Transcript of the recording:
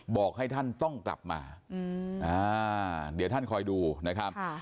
บอกให้ท่านต้องกลับมาเดี๋ยวท่านคอยดูนะครับ